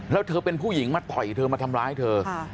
แล้วเธอเป็นผู้หญิงมาต่อยเธอมาทำร้ายเธอ